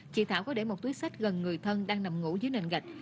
chị thảo có để một túi sách gần người thân đang nằm ngủ dưới nền gạch